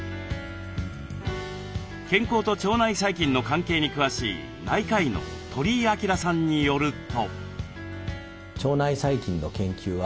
健康と腸内細菌の関係に詳しい内科医の鳥居明さんによると。